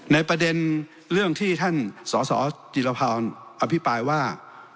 ในประเด็นเรื่องที่ท่านสสจิรพรอภิปรายว่า